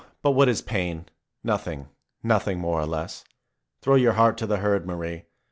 But what is pain? Nothing, nothing — more or less. Throw your heart to the herd, Marie.